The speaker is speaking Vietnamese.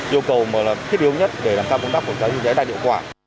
đều có yêu cầu mà là thiết yếu nhất để làm cao công tác của cháy chữa cháy đa hiệu quả